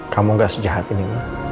kamu gak sejahat ini